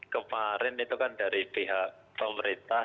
kemarin itu kan dari pihak pemerintah